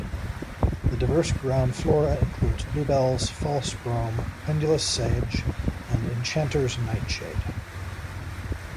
The diverse ground flora includes bluebells, false brome, pendulous sedge and enchanter's nightshade.